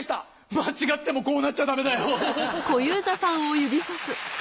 間違ってもこうなっちゃダメだよ！